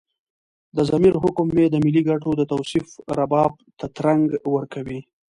د ضمیر حکم مې د ملي ګټو د توصيف رباب ته ترنګ ورکوي.